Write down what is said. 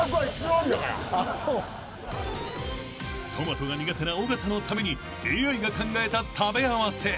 ［トマトが苦手な尾形のためにＡＩが考えた食べ合わせ］